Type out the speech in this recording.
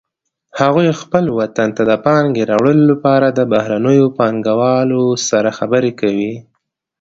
هغوی خپل وطن ته د پانګې راوړلو لپاره د بهرنیو پانګوالو سره خبرې کوي